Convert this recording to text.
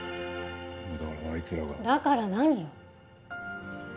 だからあいつらは。だから何よ？